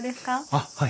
あっはい。